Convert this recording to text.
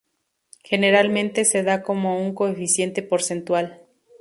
Generalmente se da como un coeficiente porcentual.